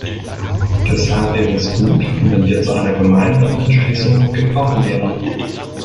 Deshalb wäre es gut, wenn wir zu einer gemeinsamen Entschließung gekommen wären.